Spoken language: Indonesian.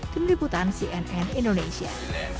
keniputan cnn indonesia